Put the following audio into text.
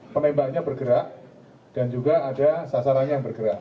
penembaknya bergerak dan juga ada sasarannya yang bergerak